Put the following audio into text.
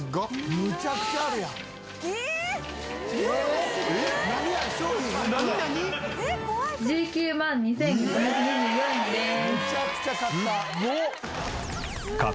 めちゃくちゃ買った！